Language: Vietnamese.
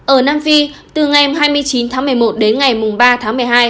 ở nam phi từ ngày hai mươi chín tháng một mươi một đến ngày ba tháng một mươi hai